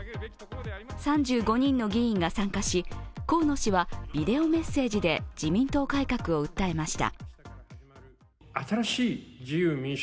３５人の議員が参加し、河野氏はビデオメッセージで自民党改革を訴えました。